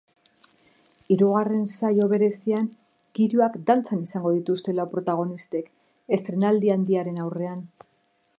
Hirugarren saio berezian kirioak dantzan izango dituzte lau protagonistek estreinaldi handiaren aurrean.